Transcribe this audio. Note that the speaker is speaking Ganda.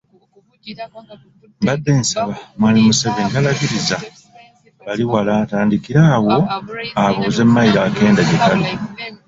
Mbadde nsaba mwami Museveni talagiriza bali wala atandikire awo abuuze mayiro akenda gye kali.